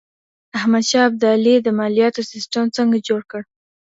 احمد شاه ابدالي د مالیاتو سیسټم څنګه جوړ کړ؟